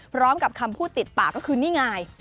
พร้อมกับคำพูดติดปากก็คือนี่ไง